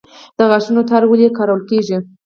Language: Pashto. د غاښونو تار ولې کارول کیږي؟